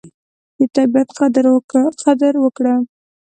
د طبیعت قدر وکړه.